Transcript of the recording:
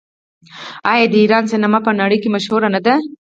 آیا د ایران سینما په نړۍ کې مشهوره نه ده؟